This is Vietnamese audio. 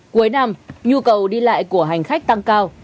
cuối năm nhu cầu đi lại của hành khách tăng cao